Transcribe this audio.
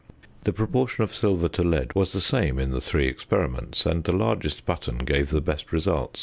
The proportion of silver to lead was the same in the three experiments, and the largest button gave the best result.